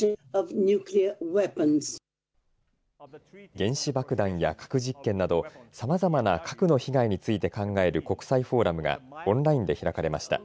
原子爆弾や核実験などさまざまな核の被害について考える国際フォーラムがオンラインで開かれました。